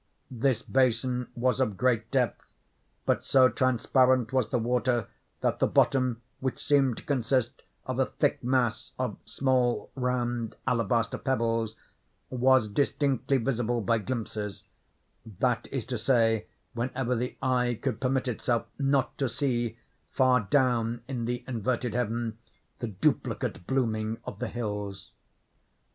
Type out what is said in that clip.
This basin was of great depth, but so transparent was the water that the bottom, which seemed to consist of a thick mass of small round alabaster pebbles, was distinctly visible by glimpses—that is to say, whenever the eye could permit itself not to see, far down in the inverted heaven, the duplicate blooming of the hills.